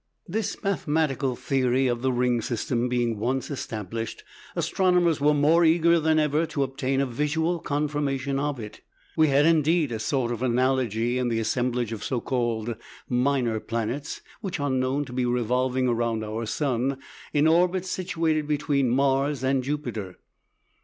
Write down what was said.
This mathematical theory of the ring system being once established, astronomers were more eager than ever to obtain a visual confirmation of it. We had, indeed, a sort of analogy in the assemblage of so called "minor planets" (p. 64), which are known to be revolving around our sun in orbits situated between Mars and Jupiter.